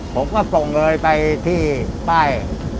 ผมก็ส่งเลยไปที่ป้าย